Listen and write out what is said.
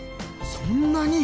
そんなに！？